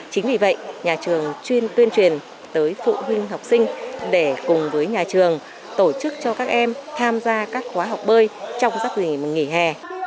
chính vì vậy nhà trường tuyên truyền tới phụ huynh học sinh để cùng với nhà trường tổ chức cho các em tham gia các khóa học bơi trong giấc nghỉ hè